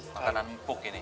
makanan empuk ini